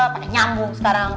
pake nyambung sekarang